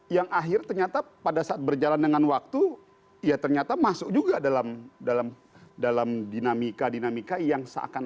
yang akhir ternyata pada saat berjalan dengan waktu ya ternyata masuk juga dalam dinamika dinamika yang seakan